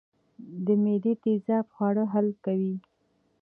د معدې تیزاب خواړه حل کوي